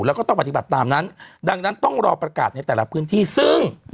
แล้วก็ต้องปฏิบัติตามนั้นดังนั้นต้องรอประกาศในแต่ละพื้นที่ซึ่ง